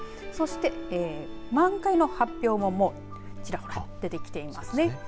そして、満開の発表ももうちらほら出てきていますね。